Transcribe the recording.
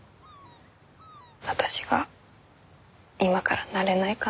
私が今からなれないかなとか。